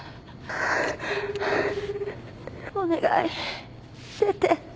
お願い出て。